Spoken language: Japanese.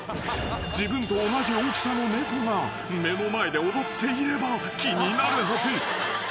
［自分と同じ大きさの猫が目の前で踊っていれば気になるはず］